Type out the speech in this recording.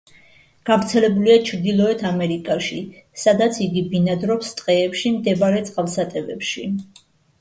გავრცელებულია ჩრდილოეთ ამერიკაში, სადაც იგი ბინადრობს ტყეებში მდებარე წყალსატევებში.